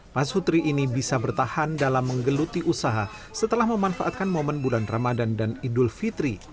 mas hutri ini bisa bertahan dalam menggeluti usaha setelah memanfaatkan momen bulan ramadan dan idul fitri